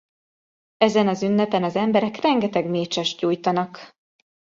Ezen az ünnepen az emberek rengeteg mécsest gyújtanak.